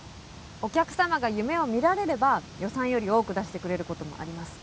お客様が夢を見られれば予算より多く出してくれることもあります。